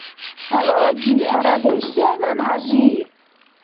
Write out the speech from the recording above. ХӀела аги, арадеш сена, ХӀяжи?